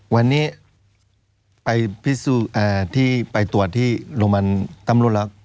วันนี้ไปตรวจที่โรงพยาบาลตำรวจละ